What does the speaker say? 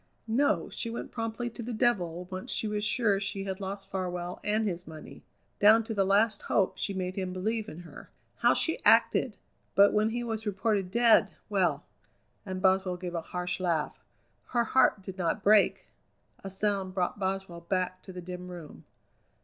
No, she went promptly to the devil, once she was sure she had lost Farwell and his money. Down to the last hope she made him believe in her. How she acted! But when he was reported dead, well!" and Boswell gave a harsh laugh "her heart did not break!" A sound brought Boswell back to the dim room.